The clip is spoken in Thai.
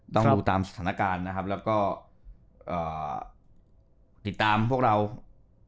ต้องตามสถานการณ์นะครับแล้วก็ติดตามพวกเราเหมือนเดิมนะ